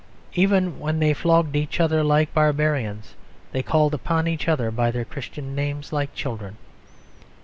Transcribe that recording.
Even when they flogged each other like barbarians, they called upon each other by their Christian names like children.